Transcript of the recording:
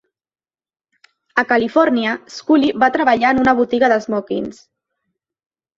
A Califòrnia, Scully va treballar en una botiga d'esmòquings.